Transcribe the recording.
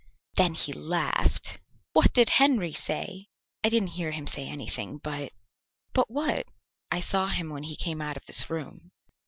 "Then he laughed." "What did Henry say?" "I didn't hear him say anything, but " "But what?" "I saw him when he came out of this room."